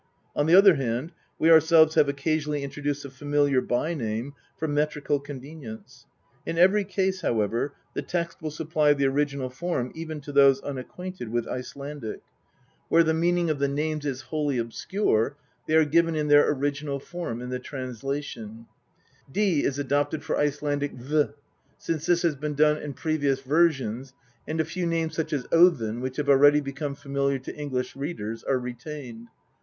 On the other hand, we ourselves have occasionally introduced a familiar by narne for metrical convenience. In every case, however, the text will supply the original form even to those unacquainted with Icelandic. Where INTRODUCTION. xi the meaning of the names is wholly obscure they are given in their original form in the translation; 'd' is adopted for Icelandic ')>,' or 'th,' since this has been done in previous versions, and a few names, such as Odin, which have already become familiar to English readers, are retained.